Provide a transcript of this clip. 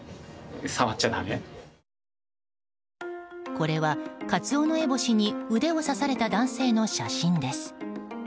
これは、カツオノエボシに腕を刺された男性の写真です。